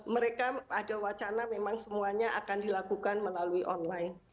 mereka ada wacana memang semuanya akan dilakukan melalui online